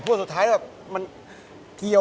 สุดท้ายสุดท้าย